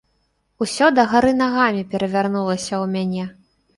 Усё дагары нагамі перавярнулася ў мяне.